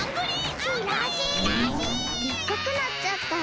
でっかくなっちゃった！